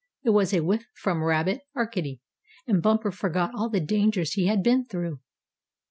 It was a whiff from Rabbit Arcady, and Bumper forgot all the dangers he had been through.